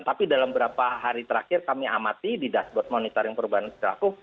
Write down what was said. tapi dalam beberapa hari terakhir kami amati di dashboard monitoring perubahan perilaku